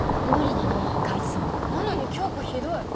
なのに京子ひどい。